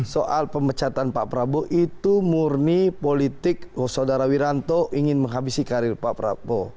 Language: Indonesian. soal pemecatan pak prabowo itu murni politik saudara wiranto ingin menghabisi karir pak prabowo